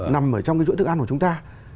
nằm ở trong cái chuỗi thức ăn của chúng ta